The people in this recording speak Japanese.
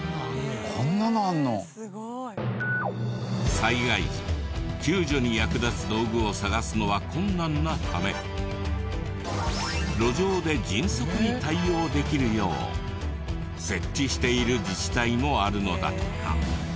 災害時救助に役立つ道具を探すのは困難なため路上で迅速に対応できるよう設置している自治体もあるのだとか。